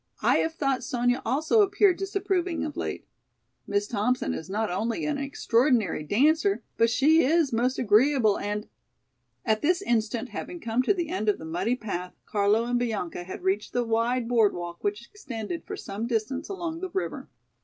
I have thought Sonya also appeared disapproving of late. Miss Thompson is not only an extraordinary dancer, but she is most agreeable and——" At this instant, having come to the end of the muddy path, Carlo and Bianca had reached the wide board walk which extended for some distance along the river.